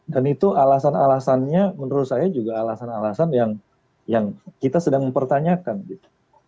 dan itu alasan alasannya menurut saya juga alasan alasan yang kita sedang mempertanyakan gitu